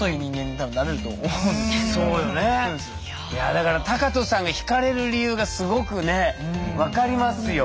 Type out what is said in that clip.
だから学仁さんがひかれる理由がすごくね分かりますよ。